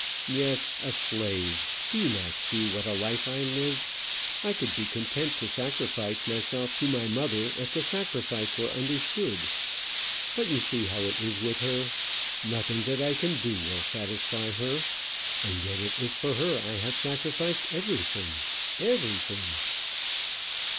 "Yes, a slave. Do you not see what a life I live? I could be content to sacrifice myself to my mother if the sacrifice were understood. But you see how it is with her. Nothing that I can do will satisfy her; and yet for her I have sacrificed everything everything."